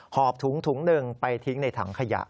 หอบถุงถุงหนึ่งไปทิ้งในถังขยะ